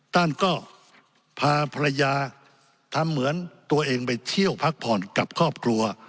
ท่านก็พาภรรยาทำเหมือนตัวเองไปเที่ยวพักผ่อนกับครอบครัว